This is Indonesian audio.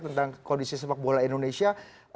tentang kondisi sepak bola indonesia